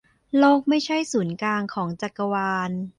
โลกไม่ใช่ศูนย์กลางของจักรวาล